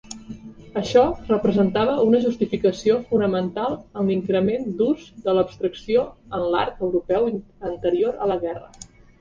Això representava una justificació fonamental en l'increment d'ús de l'abstracció en l'art europeu anterior a la guerra.